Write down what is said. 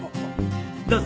どうぞ。